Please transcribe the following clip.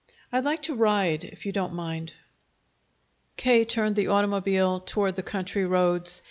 "I'd like to ride, if you don't mind." K. turned the automobile toward the country roads.